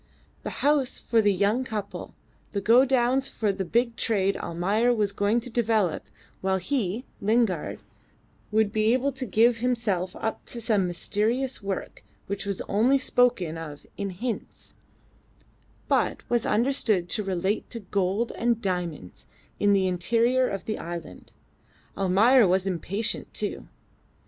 The house for the young couple; the godowns for the big trade Almayer was going to develop while he (Lingard) would be able to give himself up to some mysterious work which was only spoken of in hints, but was understood to relate to gold and diamonds in the interior of the island. Almayer was impatient too.